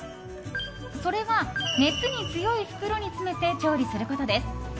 それは、熱に強い袋に詰めて調理することです。